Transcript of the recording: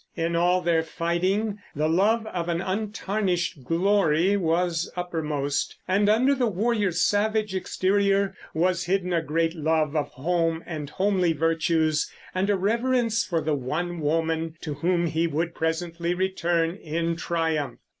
In all their fighting the love of an untarnished glory was uppermost; and under the warrior's savage exterior was hidden a great love of home and homely virtues, and a reverence for the one woman to whom he would presently return in triumph.